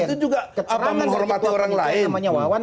itu juga apa menghormati orang lain